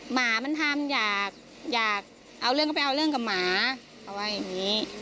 หมามันทำอยากเอาเรื่องก็ไปเอาเรื่องกับหมาเขาว่าอย่างนี้